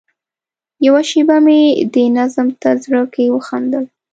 یوه شېبه مې دې نظم ته زړه کې وخندل.